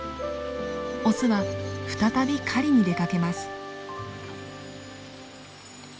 オスは再び狩りに出かけます。